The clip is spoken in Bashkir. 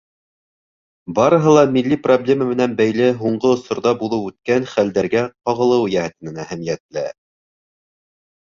Барыһы ла милли проблема менән бәйле һуңғы осорҙа булып үткән хәлдәргә ҡағылыуы йәһәтенән әһәмиәтле.